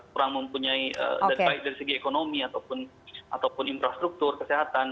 kurang mempunyai dari segi ekonomi ataupun infrastruktur kesehatan